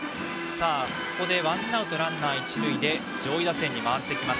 ワンアウトランナー、一塁で上位打線に回ってきます